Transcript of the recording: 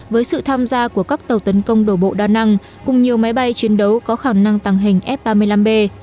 với sự tham gia của các tàu tấn công đổ bộ đa năng cùng nhiều máy bay chiến đấu có khả năng tàng hình f ba mươi năm b